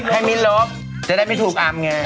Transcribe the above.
ให้มินลบจะได้ไม่ถูกอามไง